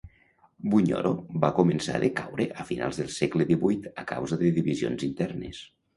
Bunyoro va començar a decaure a finals del segle XVIII a causa de divisions internes.